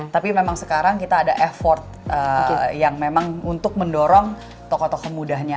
tapi memang sekarang kita ada effort yang memang untuk mendorong tokoh tokoh mudanya